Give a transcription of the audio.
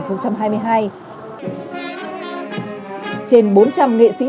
trên bốn trăm linh nghệ sĩ